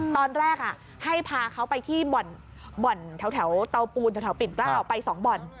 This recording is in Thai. ตอนแรกให้พาเขาไปที่บ่อนบ่อนแถวแถวเตาปูนแถวแถวปิดเกล้าไปสองบ่อน